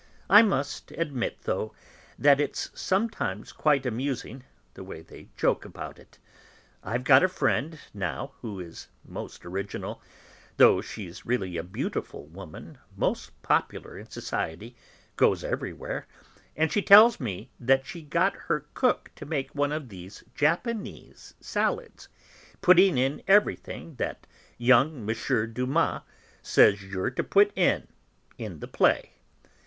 "I must admit, though, that it's sometimes quite amusing, the way they joke about it: I've got a friend, now, who is most original, though she's really a beautiful woman, most popular in society, goes everywhere, and she tells me that she got her cook to make one of these Japanese salads, putting in everything that young M. Dumas says you're to put in, in the play.